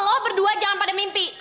lo berdua jangan pada mimpi